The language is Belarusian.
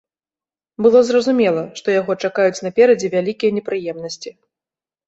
Было зразумела, што яго чакаюць наперадзе вялікія непрыемнасці.